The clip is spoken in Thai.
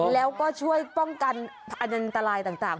แล้วก็ช่วยป้องกันอันตรายต่าง